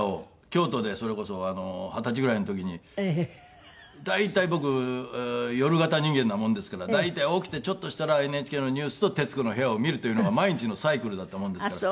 京都でそれこそ二十歳ぐらいの時に大体僕夜型人間なものですから大体起きてちょっとしたらＮＨＫのニュースと『徹子の部屋』を見るというのが毎日のサイクルだったものですから。